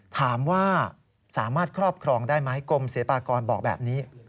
ถามว่าสามารถครอบครองได้ไหมกรมศิลปากรบอกแบบนี้